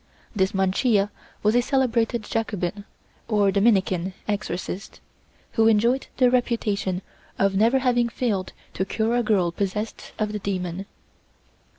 This Mancia was a celebrated Jacobin (or Dominican) exorcist, who enjoyed the reputation of never having failed to cure a girl possessed of the demon.